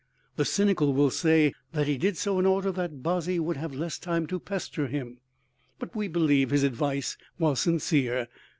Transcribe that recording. The cynical will say that he did so in order that Bozzy would have less time to pester him, but we believe his advice was sincere.